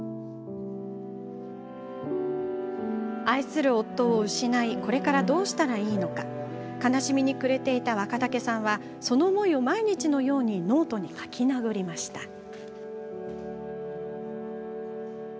愛する夫を失いこれから、どうしたらいいのか悲しみに暮れていた若竹さんはその思いを毎日のようにノートに書きなぐりました。